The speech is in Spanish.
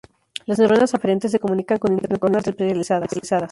Las neuronas aferentes se comunican con interneuronas especializadas.